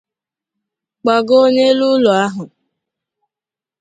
gbagoo n'elu ụlọ ahụ